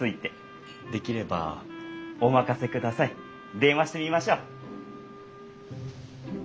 電話してみましょう。